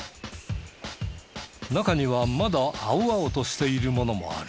中にはまだ青々としているものもある。